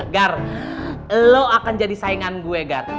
gar lo akan jadi saingan gue gar